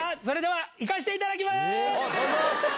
それでは行かしていただきます。